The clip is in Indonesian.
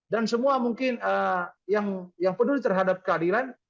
dan semua mungkin yang penuh terhadap keadilan